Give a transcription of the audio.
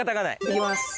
行きます。